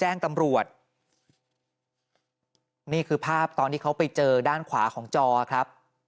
หลังจากพบศพผู้หญิงปริศนาตายตรงนี้ครับ